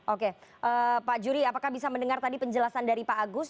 oke pak juri apakah bisa mendengar tadi penjelasan dari pak agus